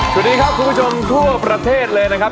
สวัสดีครับคุณผู้ชมทั่วประเทศเลยนะครับ